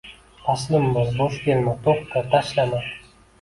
Taslim bo’l! Bo’sh kelma! To’xta! Tashlama!